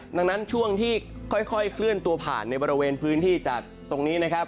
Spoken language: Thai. ดังนั้นช่วงที่ค่อยเคลื่อนตัวผ่านในบริเวณพื้นที่จากตรงนี้นะครับ